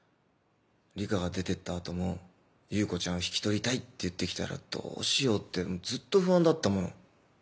梨花が出て行った後も優子ちゃんを引き取りたいって言って来たらどうしようってずっと不安だったもの。